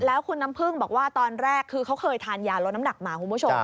ต้องพึ่งบอกว่าตอนแรกเค้าเคยทานยาลดน้ำหนักหมาฮูโมโชค